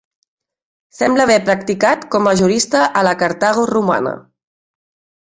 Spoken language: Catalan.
Sembla haver practicat com a jurista a la Cartago romana.